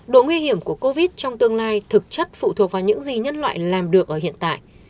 độ nguy hiểm của covid trong tương lai thực chất phụ thuộc vào những gì nhân loại làm được ở hiện tại